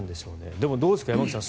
でもどうですか山口さん